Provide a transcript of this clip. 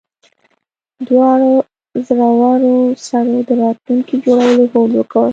دواړو زړورو سړو د راتلونکي جوړولو هوډ وکړ